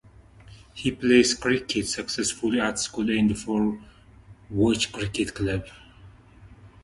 He played cricket successfully at school and for Watchet Cricket Club.